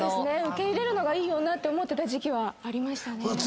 受け入れるのがいい女って思ってた時期はありましたね。